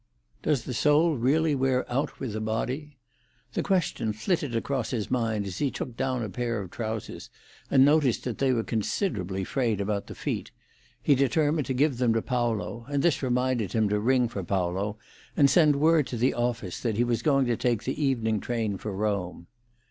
Does the soul really wear out with the body? The question flitted across his mind as he took down a pair of trousers, and noticed that they were considerably frayed about the feet; he determined to give them to Paolo, and this reminded him to ring for Paolo, and send word to the office that he was going to take the evening train for Rome.